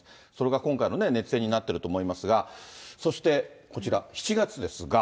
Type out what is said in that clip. それが今回の熱演になってると思いますが、そしてこちら、７月ですが。